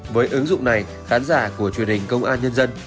với ứng dụng này khán giả của truyền hình công an nhân dân